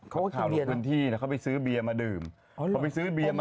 ข้าวปุ่นที่เขาไปซื้อเบียนอะไรมาดื่ม